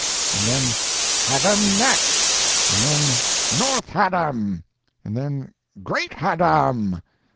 and then "Haddam Neck!" and then "North Haddam!" and then "Great Haddam!"